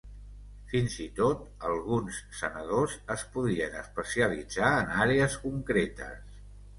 Fins i tot alguns sanadors es podien especialitzar en àrees concretes.